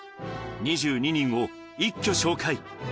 ２２人を一挙紹介。